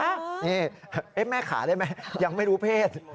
นี่แม่ขาได้ไหมยังไม่รู้เพศ